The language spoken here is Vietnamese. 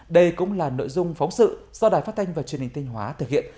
đây cũng là nội dung phóng sự do đài phát thanh và truyền hình tinh hóa thực hiện